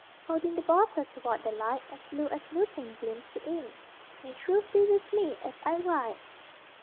Holding the bottle toward the light, As blue as lupin gleams the ink; May Truth be with me as I write!